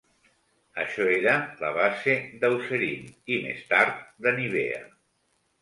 Això era la base d'Eucerin i, més tard, de Nivea.